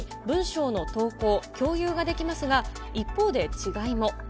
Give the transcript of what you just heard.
ツイッターのように文章の投稿、共有ができますが、一方で違いも。